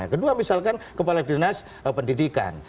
kedua misalkan kepala dinas pendidikan